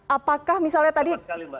apakah misalnya tadi